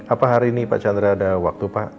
apa hari ini pak chandra ada waktu pak